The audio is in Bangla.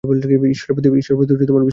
ঈশ্বরের প্রতি বিশ্বাস নেই?